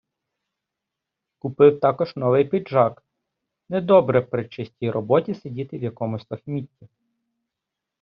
Купив також новий піджак, - недобре при чистій роботі сидіти в якомусь лахмітті.